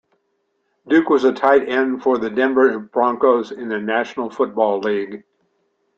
Duke was a tight end for the Denver Broncos in the National Football League.